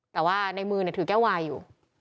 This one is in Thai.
แต่ว่าในมือถือแก้ววายอยู่